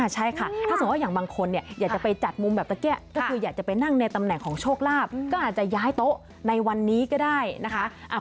ใช่ค่ะถ้าสมมุติอย่างบางคนอยากจะไปจัดมุมแบบตะเกี้ก็คืออยากจะไปนั่งในตำแหน่งของโชคลาภก็อาจจะย้ายโต๊ะในวันนี้ก็ได้นะคะ